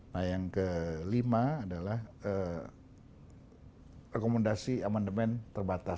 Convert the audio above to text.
nah yang kelima adalah rekomendasi amandemen terbatas